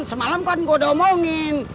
semalam kan gue udah omongin